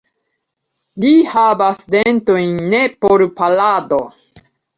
Li havas dentojn ne por parado.